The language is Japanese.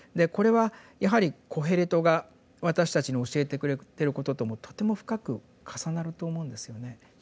これはやはりコヘレトが私たちに教えてくれてることともとても深く重なると思うんですよね。